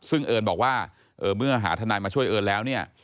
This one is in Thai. ซึ่งเอิญบอกว่าเมื่อหาทนายมาช่วยเอิญแล้วเนี่ย